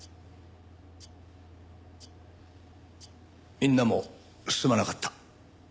みんなもすまなかった。